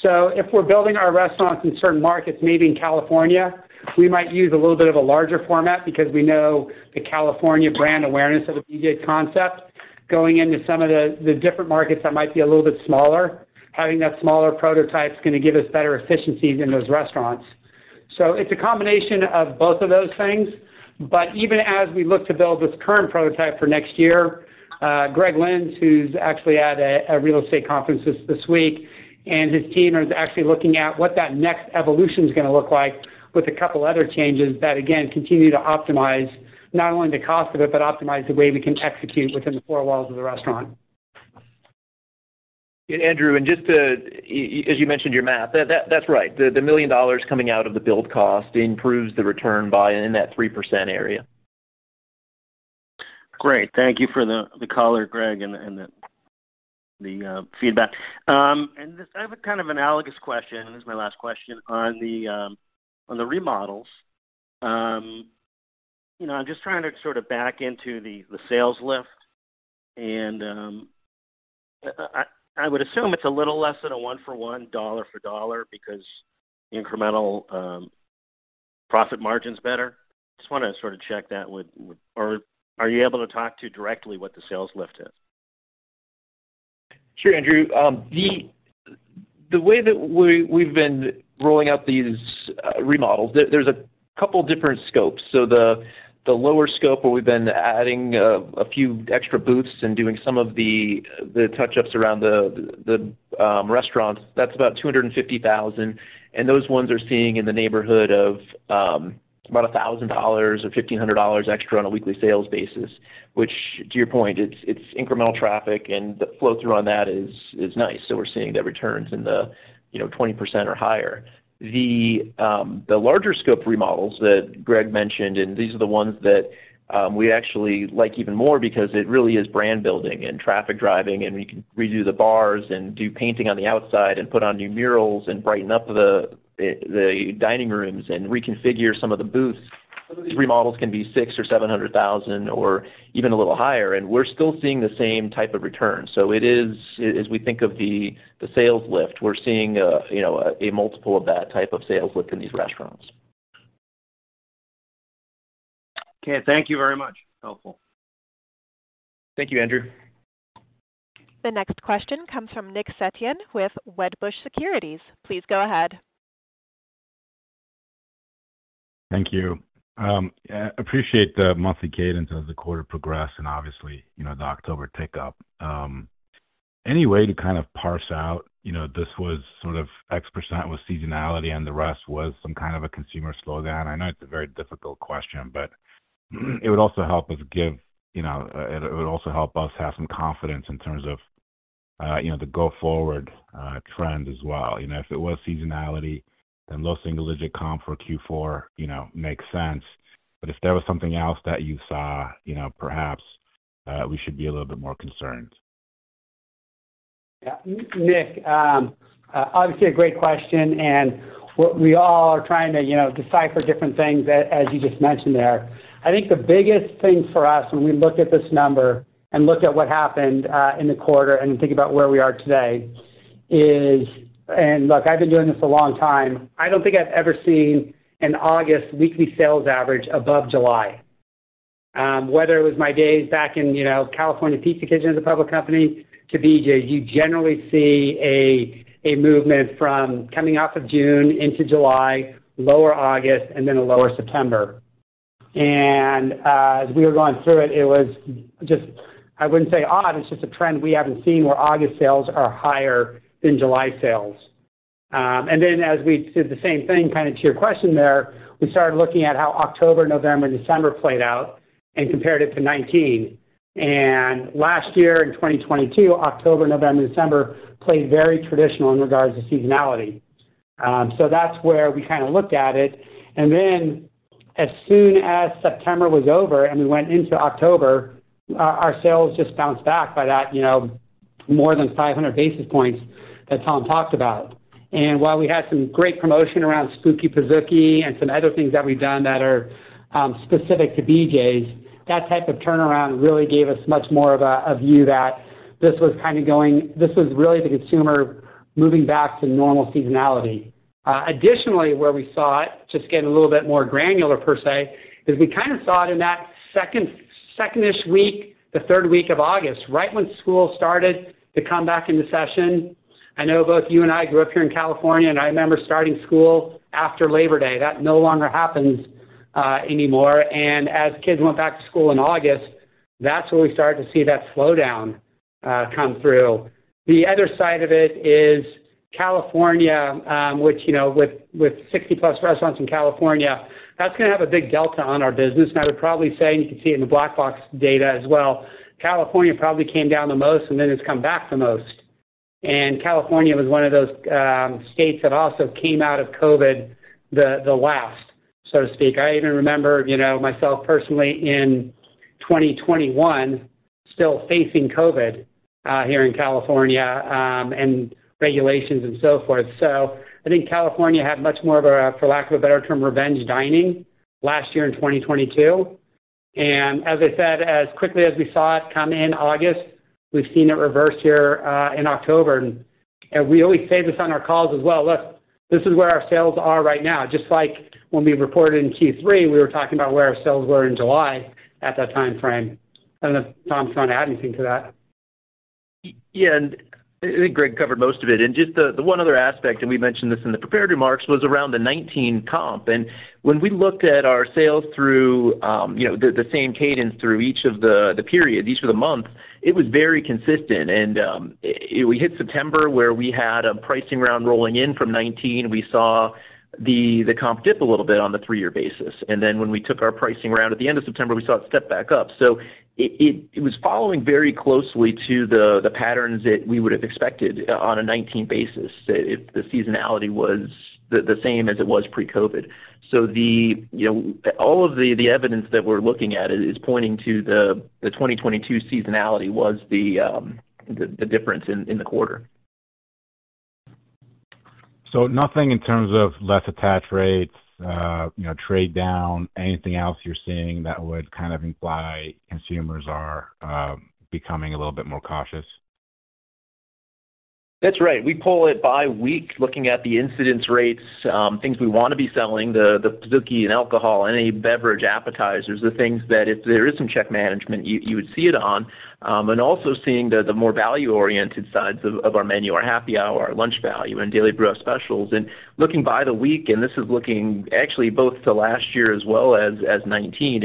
So if we're building our restaurants in certain markets, maybe in California, we might use a little bit of a larger format because we know the California brand awareness of the BJ's concept. Going into some of the different markets that might be a little bit smaller, having that smaller prototype is going to give us better efficiencies in those restaurants. So it's a combination of both of those things, but even as we look to build this current prototype for next year, Greg Lynds, who's actually at a real estate conference this week, and his team are actually looking at what that next evolution is going to look like, with a couple other changes that, again, continue to optimize not only the cost of it, but optimize the way we can execute within the four walls of the restaurant. Andrew, as you mentioned your math, that's right. The $1 million coming out of the build cost improves the return by in that 3% area. Great. Thank you for the color, Greg, and the feedback. And just I have a kind of analogous question, and this is my last question on the remodels. You know, I'm just trying to sort of back into the sales lift, and I would assume it's a little less than a one for one, dollar for dollar, because incremental profit margin's better. Just want to sort of check that with - or are you able to talk to directly what the sales lift is? Sure, Andrew. The way that we've been rolling out these remodels, there's a couple different scopes. So the lower scope, where we've been adding a few extra booths and doing some of the touch-ups around the restaurants, that's about $250,000. And those ones are seeing in the neighborhood of about $1,000 or $1,500 extra on a weekly sales basis, which, to your point, it's incremental traffic, and the flow-through on that is nice. So we're seeing that returns in the, you know, 20% or higher. The larger scope remodels that Greg mentioned, and these are the ones that we actually like even more because it really is brand building and traffic driving, and we can redo the bars and do painting on the outside and put on new murals and brighten up the dining rooms and reconfigure some of the booths. Some of these remodels can be $600,000-$700,000 or even a little higher, and we're still seeing the same type of return. So it is, as we think of the sales lift, we're seeing you know, a multiple of that type of sales lift in these restaurants. Okay, thank you very much. Helpful. Thank you, Andrew. The next question comes from Nick Setyan with Wedbush Securities. Please go ahead. Thank you. I appreciate the monthly cadence as the quarter progressed and obviously, you know, the October tick-up. Any way to kind of parse out, you know, this was sort of X% with seasonality and the rest was some kind of a consumer slowdown? I know it's a very difficult question, but- Mm-hmm. It would also help us give, you know, it would also help us have some confidence in terms of, you know, the go-forward trend as well. You know, if it was seasonality, then low single-digit comp for Q4, you know, makes sense. But if there was something else that you saw, you know, perhaps we should be a little bit more concerned. Yeah, Nick, obviously a great question, and what we all are trying to, you know, decipher different things as you just mentioned there. I think the biggest thing for us when we look at this number and look at what happened in the quarter and think about where we are today is... And look, I've been doing this a long time. I don't think I've ever seen an August weekly sales average above July. Whether it was my days back in, you know, California Pizza Kitchen as a public company to BJ, you generally see a movement from coming off of June into July, lower August, and then a lower September. And as we were going through it, it was just, I wouldn't say odd, it's just a trend we haven't seen where August sales are higher than July sales. And then as we did the same thing, kind of to your question there, we started looking at how October, November, and December played out and compared it to 2019. And last year, in 2022, October, November, and December played very traditional in regards to seasonality. So that's where we kind of looked at it. And then as soon as September was over and we went into October, our sales just bounced back by that, you know, more than 500 basis points that Tom talked about. And while we had some great promotion around Spooky Pizookie and some other things that we've done that are specific to BJ's, that type of turnaround really gave us much more of a view that this was kind of going—this was really the consumer moving back to normal seasonality. Additionally, where we saw it, just getting a little bit more granular per se, is we kind of saw it in that second, second-ish week, the third week of August, right when school started to come back into session. I know both you and I grew up here in California, and I remember starting school after Labor Day. That no longer happens anymore. And as kids went back to school in August, that's when we started to see that slowdown come through. The other side of it is California, which, you know, with 60+ restaurants in California, that's going to have a big delta on our business. And I would probably say, and you can see it in the Black Box data as well, California probably came down the most, and then it's come back the most. California was one of those states that also came out of COVID, the last, so to speak. I even remember, you know, myself personally in 2021, still facing COVID here in California, and regulations and so forth. So I think California had much more of a, for lack of a better term, revenge dining last year in 2022. As I said, as quickly as we saw it come in August, we've seen it reverse here in October. We always say this on our calls as well: Look, this is where our sales are right now. Just like when we reported in Q3, we were talking about where our sales were in July at that time frame. I don't know if Tom, if you want to add anything to that. Yeah, and I think Greg covered most of it. And just the one other aspect, and we mentioned this in the prepared remarks, was around the 2019 comp. And when we looked at our sales through, you know, the same cadence through each of the periods, each of the months, it was very consistent. And we hit September, where we had a pricing round rolling in from 2019. We saw the comp dip a little bit on the three-year basis, and then when we took our pricing round at the end of September, we saw it step back up. So it was following very closely to the patterns that we would have expected on a 2019 basis if the seasonality was the same as it was pre-COVID. So, you know, all of the evidence that we're looking at is pointing to the 2022 seasonality was the difference in the quarter. So nothing in terms of less attach rates, you know, trade down, anything else you're seeing that would kind of imply consumers are becoming a little bit more cautious? That's right. We pull it by week, looking at the incidence rates, things we want to be selling, the Pizookie and alcohol, any beverage, appetizers, the things that if there is some check management, you would see it on. Also seeing the more value-oriented sides of our menu, our happy hour, our lunch value, and Daily Brewhouse Specials. Looking by the week, and this is looking actually both to last year as well as 2019.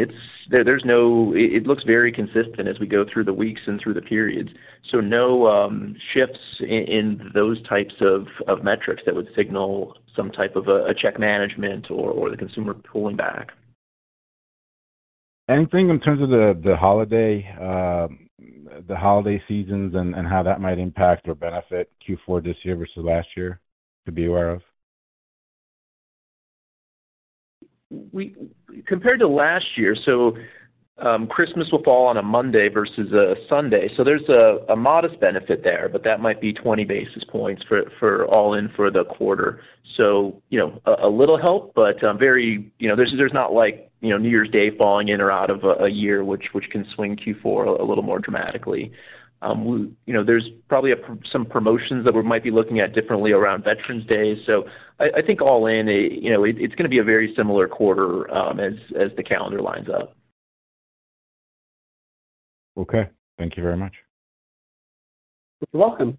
It looks very consistent as we go through the weeks and through the periods. No shifts in those types of metrics that would signal some type of a check management or the consumer pulling back. Anything in terms of the holiday seasons and how that might impact or benefit Q4 this year versus last year to be aware of? We, compared to last year, Christmas will fall on a Monday versus a Sunday, so there's a modest benefit there, but that might be 20 basis points for all in for the quarter. You know, a little help, but very, you know, there's not like, you know, New Year's Day falling in or out of a year, which can swing Q4 a little more dramatically. We, you know, there's probably some promotions that we might be looking at differently around Veterans Day. I think all in, it, you know, it's going to be a very similar quarter, as the calendar lines up. Okay. Thank you very much. You're welcome.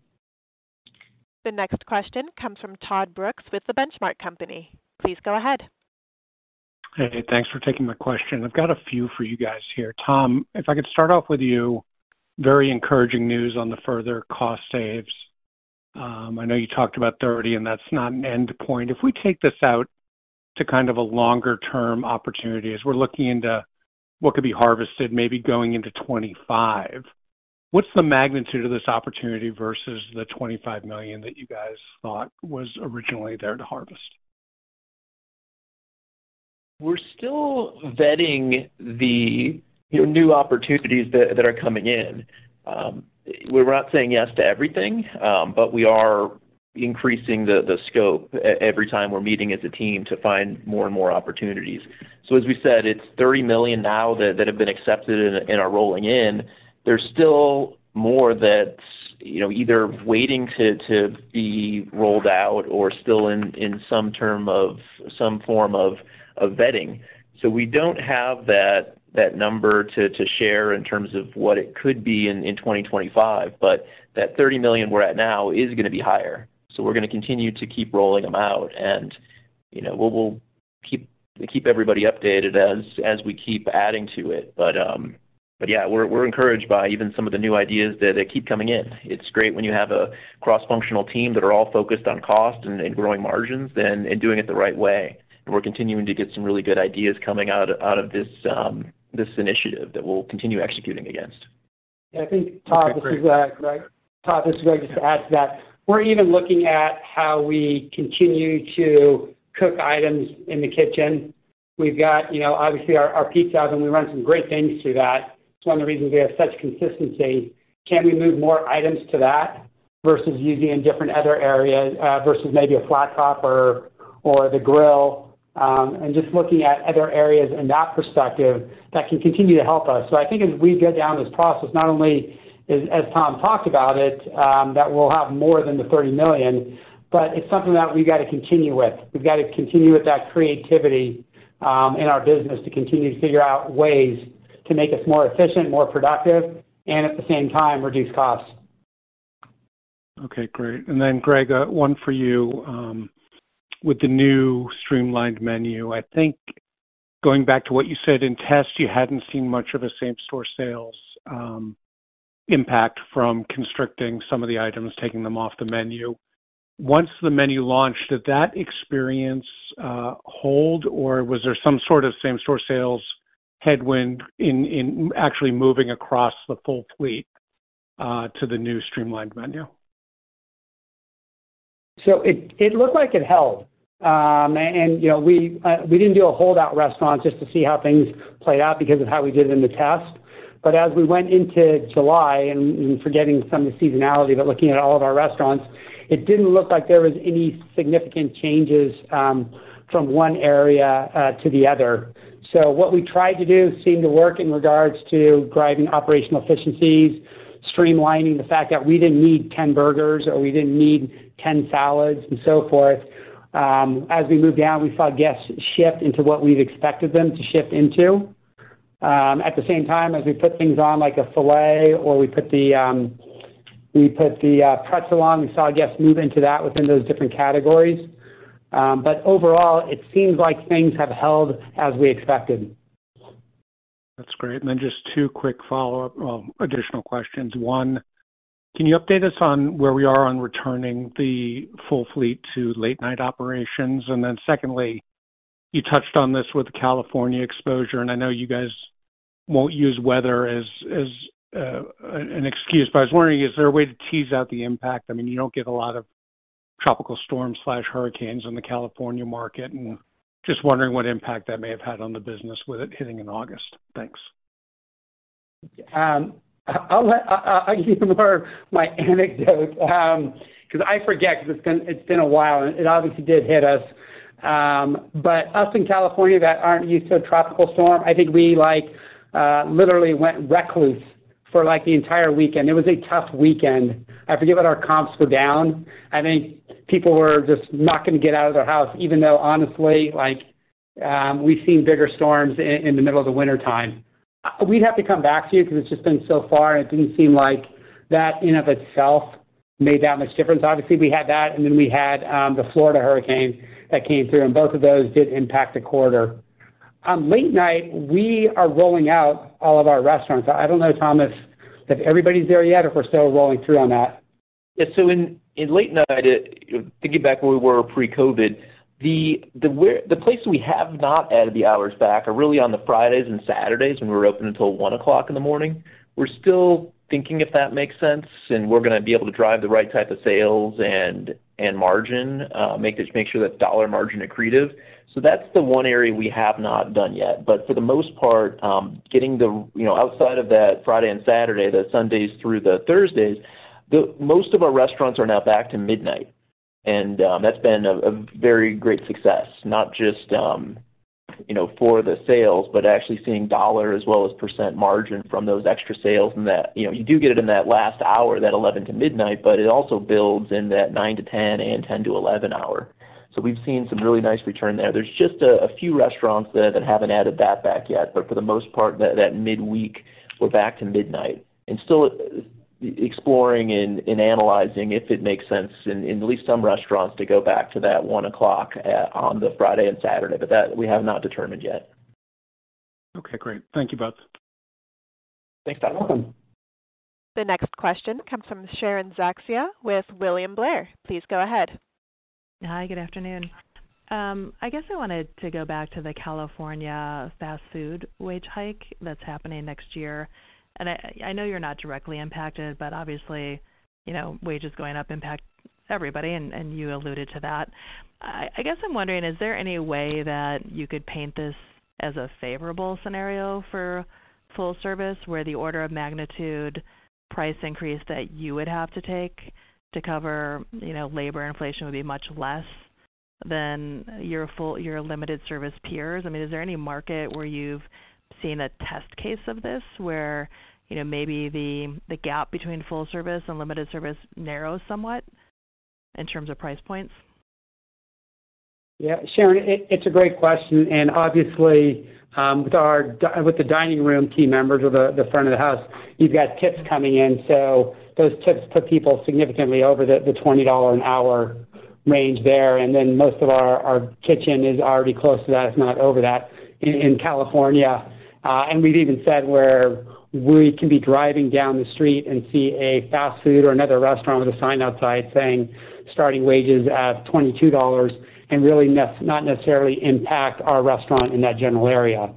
The next question comes from Todd Brooks with the Benchmark Company. Please go ahead. Hey, thanks for taking my question. I've got a few for you guys here. Tom, if I could start off with you. Very encouraging news on the further cost saves. I know you talked about 30, and that's not an end point. If we take this out to kind of a longer-term opportunity, as we're looking into what could be harvested, maybe going into 2025, what's the magnitude of this opportunity versus the $25 million that you guys thought was originally there to harvest? We're still vetting the, you know, new opportunities that, that are coming in. We're not saying yes to everything, but we are increasing the, the scope every time we're meeting as a team to find more and more opportunities. So as we said, it's $30 million now that, that have been accepted and, and are rolling in. There's still more that's, you know, either waiting to, to be rolled out or still in, in some form of, of vetting. So we don't have that, that number to, to share in terms of what it could be in, in 2025, but that $30 million we're at now is going to be higher. So we're going to continue to keep rolling them out, and, you know, we'll, we'll keep, keep everybody updated as, as we keep adding to it. But yeah, we're encouraged by even some of the new ideas that they keep coming in. It's great when you have a cross-functional team that are all focused on cost and growing margins and doing it the right way. And we're continuing to get some really good ideas coming out of this initiative that we'll continue executing against. Yeah, I think, Todd, this is Greg. Todd, this is Greg just to add to that. We're even looking at how we continue to cook items in the kitchen. We've got, you know, obviously our pizza ovens, we run some great things through that. It's one of the reasons we have such consistency. Can we move more items to that versus using in different other areas versus maybe a flat top or the grill? And just looking at other areas in that perspective that can continue to help us. So I think as we go down this process, not only as Tom talked about it, that we'll have more than the $30 million, but it's something that we've got to continue with. We've got to continue with that creativity, in our business to continue to figure out ways to make us more efficient, more productive, and at the same time, reduce costs. Okay, great. And then, Greg, one for you. With the new streamlined menu, I think going back to what you said in test, you hadn't seen much of a same-store sales impact from constricting some of the items, taking them off the menu. Once the menu launched, did that experience hold, or was there some sort of same-store sales headwind in actually moving across the full fleet to the new streamlined menu? It looked like it held. You know, we didn't do a holdout restaurant just to see how things played out because of how we did it in the test. As we went into July and forgetting some of the seasonality, but looking at all of our restaurants, it didn't look like there was any significant changes from one area to the other. What we tried to do seemed to work in regards to driving operational efficiencies, streamlining the fact that we didn't need 10 burgers or we didn't need 10 salads and so forth. As we moved down, we saw guests shift into what we've expected them to shift into. At the same time, as we put things on, like a filet, or we put the pretzel on, we saw guests move into that within those different categories. But overall, it seems like things have held as we expected. That's great. And then just two quick follow-up, well, additional questions. One, can you update us on where we are on returning the full fleet to late-night operations? And then secondly, you touched on this with the California exposure, and I know you guys won't use weather as an excuse, but I was wondering, is there a way to tease out the impact? I mean, you don't get a lot of tropical storm/hurricanes in the California market, and just wondering what impact that may have had on the business with it hitting in August. Thanks. I'll give you more my anecdote, because I forget, because it's been a while, and it obviously did hit us. Us in California that aren't used to a tropical storm, I think we literally went recluse for the entire weekend. It was a tough weekend. I forget what our comps were down. I think people were just not going to get out of their house, even though, honestly, like, we've seen bigger storms in the middle of the wintertime. We'd have to come back to you because it's just been so far, and it didn't seem like that in of itself made that much difference. Obviously, we had that, and then we had the Florida hurricane that came through, and both of those did impact the quarter. Late night, we are rolling out all of our restaurants. I don't know, Thomas, if everybody's there yet or if we're still rolling through on that. Yeah. In late night, thinking back where we were pre-COVID, the places we have not added the hours back are really on the Fridays and Saturdays, when we were open until 1:00 A.M. We're still thinking if that makes sense, and we're going to be able to drive the right type of sales and margin, make this, make sure that dollar margin accretive. That's the one area we have not done yet. For the most part, getting the, you know, outside of that Friday and Saturday, the Sundays through the Thursdays, most of our restaurants are now back to midnight. That's been a very great success, not just, you know, for the sales, but actually seeing dollar as well as percent margin from those extra sales. And that, you know, you do get it in that last hour, that 11:00 P.M. to midnight, but it also builds in that 9:00 P.M. to 10:00 P.M. and 10:00 P.M. to 11:00 P.M. hour. So we've seen some really nice return there. There's just a few restaurants that haven't added that back yet, but for the most part, that midweek, we're back to midnight. And still exploring and analyzing if it makes sense in at least some restaurants to go back to that 1:00 A.M. on Fridays and Saturdays, but that we have not determined yet. Okay, great. Thank you both. Thanks, Tom. You're welcome. The next question comes from Sharon Zackfia with William Blair. Please go ahead. Hi, good afternoon. I guess I wanted to go back to the California fast food wage hike that's happening next year. I know you're not directly impacted, but obviously, you know, wages going up impact everybody, and you alluded to that. I guess I'm wondering, is there any way that you could paint this as a favorable scenario for full service, where the order of magnitude price increase that you would have to take to cover, you know, labor inflation would be much less than your full-service limited-service peers? I mean, is there any market where you've seen a test case of this, where, you know, maybe the gap between full service and limited service narrows somewhat in terms of price points? Yeah, Sharon, it's a great question, and obviously, with our dining room team members or the front of the house, you've got tips coming in. Those tips put people significantly over the $20 an hour range there, and then most of our kitchen is already close to that, if not over that, in California. We've even said where we can be driving down the street and see a fast food or another restaurant with a sign outside saying, "Starting wages at $22," and really not necessarily impact our restaurant in that general area.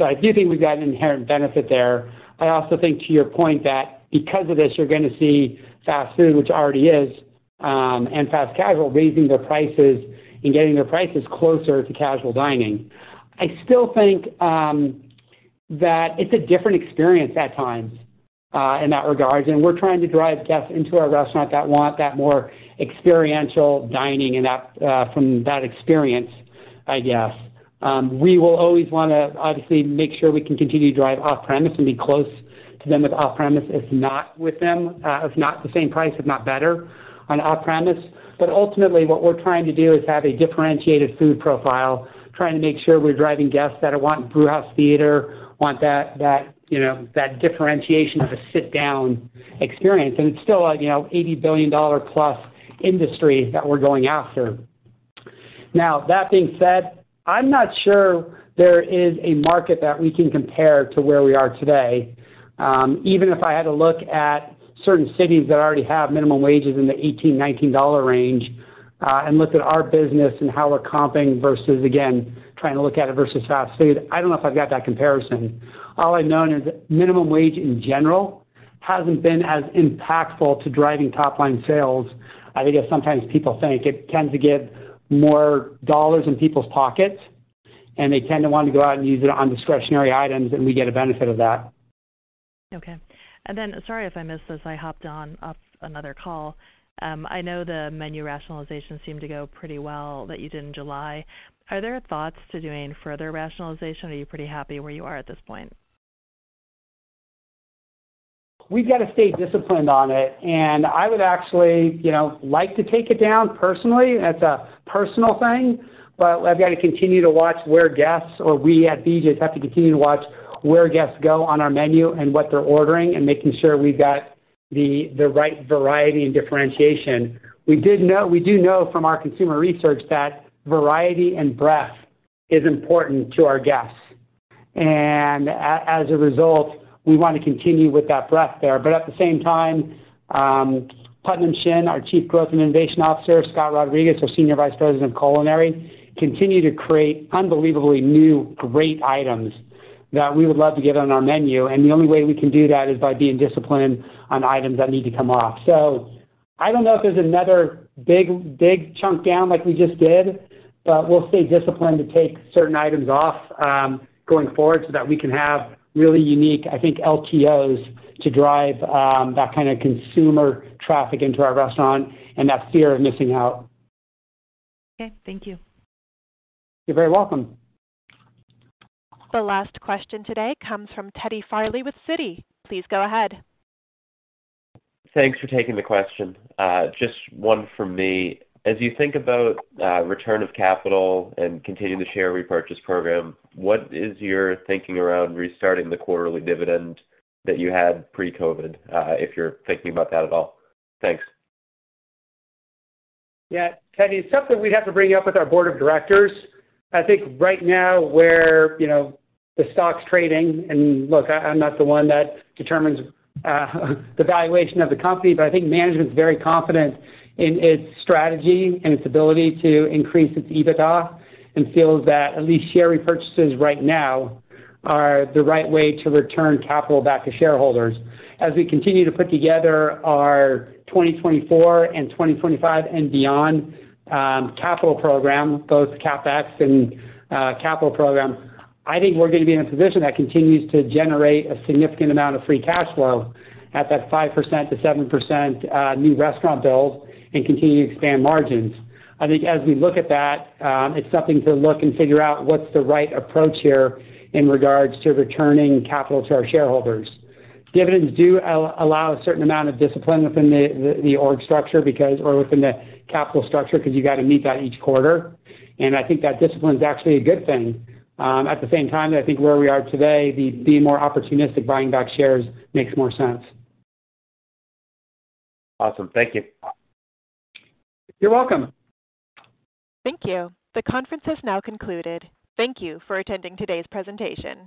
I do think we've got an inherent benefit there. I also think to your point, that because of this, you're going to see fast food, which already is, and fast casual, raising their prices and getting their prices closer to casual dining. I still think that it's a different experience at times, in that regard, and we're trying to drive guests into our restaurant that want that more experiential dining and that, from that experience, I guess. We will always wanna obviously make sure we can continue to drive off-premise and be close to them with off-premise, if not with them, if not the same price, if not better on off-premise. But ultimately, what we're trying to do is have a differentiated food profile, trying to make sure we're driving guests that want Brewhouse Theater, want that, that, you know, that differentiation of a sit-down experience. It's still a, you know, $80 billion+ industry that we're going after. Now, that being said, I'm not sure there is a market that we can compare to where we are today. Even if I had to look at certain cities that already have minimum wages in the $18-$19 range, and look at our business and how we're comping versus, again, trying to look at it versus fast food, I don't know if I've got that comparison. All I know is that minimum wage, in general, hasn't been as impactful to driving top-line sales, I think, as sometimes people think. It tends to give more dollars in people's pockets, and they tend to want to go out and use it on discretionary items, and we get a benefit of that. Okay. And then, sorry if I missed this, I hopped on off another call. I know the menu rationalization seemed to go pretty well that you did in July. Are there thoughts to doing further rationalization, or are you pretty happy where you are at this point? We've got to stay disciplined on it, and I would actually, you know, like to take it down personally, that's a personal thing. But I've got to continue to watch where guests or we at BJ's have to continue to watch where guests go on our menu and what they're ordering and making sure we've got the right variety and differentiation. We do know from our consumer research that variety and breadth is important to our guests, and as a result, we want to continue with that breadth there. At the same time, Putnam Shin, our Chief Growth and Innovation Officer, Scott Rodriguez, our Senior Vice President of Culinary, continue to create unbelievably new, great items that we would love to get on our menu, and the only way we can do that is by being disciplined on items that need to come off. I don't know if there's another big, big chunk down like we just did, but we'll stay disciplined to take certain items off, going forward, so that we can have really unique, I think, LTOs to drive that kind of consumer traffic into our restaurant and that fear of missing out. Okay, thank you. You're very welcome. The last question today comes from Teddy Farley with Citi. Please go ahead. Thanks for taking the question. Just one from me. As you think about return of capital and continuing the share repurchase program, what is your thinking around restarting the quarterly dividend that you had pre-COVID, if you're thinking about that at all? Thanks. Yeah, Teddy, it's something we'd have to bring up with our board of directors. I think right now, where, you know, the stock's trading... and look, I, I'm not the one that determines the valuation of the company, but I think management's very confident in its strategy and its ability to increase its EBITDA. And feels that at least share repurchases right now are the right way to return capital back to shareholders. As we continue to put together our 2024 and 2025 and beyond, capital program, both CapEx and capital program, I think we're going to be in a position that continues to generate a significant amount of free cash flow at that 5%-7% new restaurant build and continue to expand margins. I think as we look at that, it's something to look and figure out what's the right approach here in regards to returning capital to our shareholders. Dividends do allow a certain amount of discipline within the capital structure, because you got to meet that each quarter, and I think that discipline is actually a good thing. At the same time, I think where we are today, being more opportunistic, buying back shares makes more sense. Awesome. Thank you. You're welcome. Thank you. The conference has now concluded. Thank you for attending today's presentation.